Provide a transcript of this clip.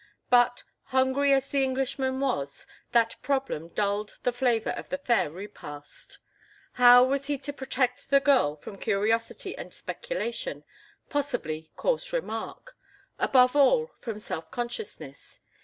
But, hungry as the Englishman was, that problem dulled the flavor of a fair repast. How was he to protect the girl from curiosity and speculation, possibly coarse remark; above all, from self consciousness?